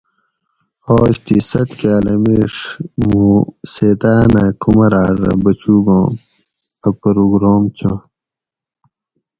آج تھی ست کاۤلہ میڛ مُوں سیتاۤن اۤ کُمراۤٹ رہ بچوگ آں اۤ پرگرام چاگ